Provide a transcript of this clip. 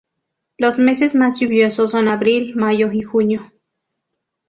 Los meses más lluviosos son abril, mayo y junio.